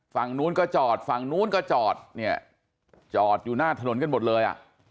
ฝั่งนู้นก็จอดฝั่งนู้นก็จอดเนี่ยจอดอยู่หน้าถนนกันหมดเลยอ่ะ